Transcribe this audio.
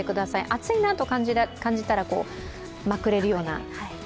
暑いなと感じたらまくれるような。